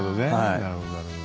なるほどなるほど。